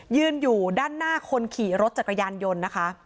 ยืนอยู่ด้านหน้าคนขี่รถจักรยานยนต์นะคะ